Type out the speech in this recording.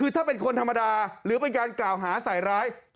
คือถ้าเป็นคนธรรมดาหรือเป็นการกล่าวหาใส่ร้าย